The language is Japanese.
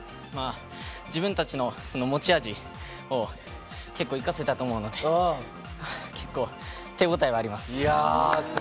自分たちの持ち味を結構生かせたと思うので結構、手応えはあります。